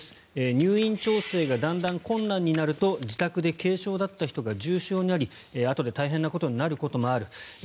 入院調整がだんだん困難になると自宅で軽症だった人が重症になりあとで大変なことになることもある。